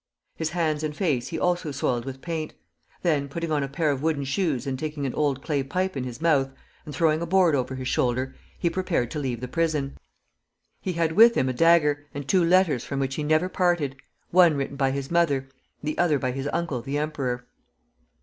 His hands and face he also soiled with paint; then, putting on a pair of wooden shoes and taking an old clay pipe in his mouth, and throwing a board over his shoulder, he prepared to leave the prison. He had with him a dagger, and two letters from which he never parted, one written by his mother, the other by his uncle, the emperor.